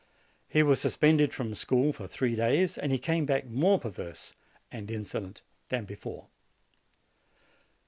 He was suspended from school for three days, and he came back more perverse and insolent than before.